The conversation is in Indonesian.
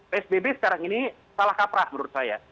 psbb sekarang ini salah kaprah menurut saya